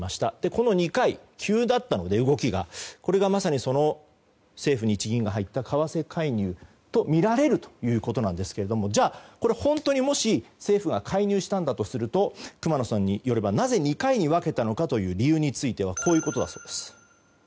この２回、動きが急だったのでこれがまさにその政府・日銀が入った為替介入とみられるということですがじゃあ、これ本当にもし政府が介入したんだとすると熊野さんによればなぜ２回に分けたのかという理由についてはこういうことだそうです。